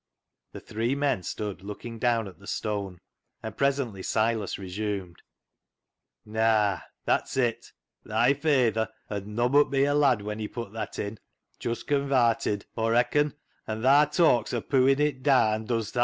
The three men stood looking down at the stone, and presently Silas resumed —" Naa, that's it. Thy fayther 'ud nobbut be a lad when he put that in — just convarted, Aw reacon, an' thaa talks o' poo'in it daan, does ta?"